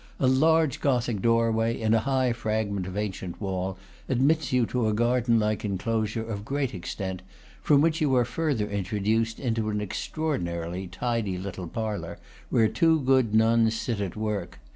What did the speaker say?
A large Gothic doorway, in a high fragment of ancient wall, admits you to a garden like enclosure, of great extent, from which you are further introduced into an extraordinarily tidy little parlor, where two good nuns sit at work.